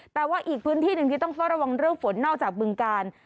แต่ว่าอีกพื้นที่หนึ่งที่ต้องเฝ้าระวังเรื่องฝนนอกจากบึงกาล